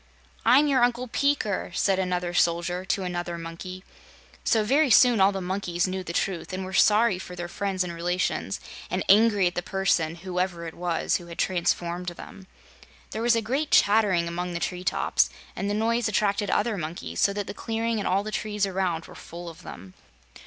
"I'm your Uncle Peeker," said another soldier to another monkey. So, very soon all the monkeys knew the truth and were sorry for their friends and relations and angry at the person whoever it was who had transformed them. There was a great chattering among the tree tops, and the noise attracted other monkeys, so that the clearing and all the trees around were full of them.